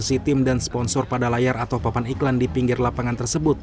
posisi tim dan sponsor pada layar atau papan iklan di pinggir lapangan tersebut